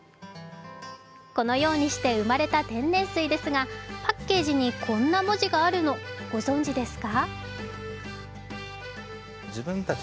このようにして生まれた天然水ですがパッケージにこんな文字があるのご存じですか？